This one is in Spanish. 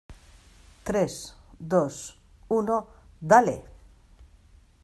tres, dos , uno... ¡ dale!